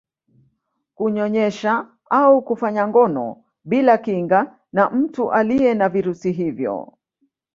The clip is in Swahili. kunyonyesha au kufanya ngono bila kinga na mtu aliye na virusi hivyo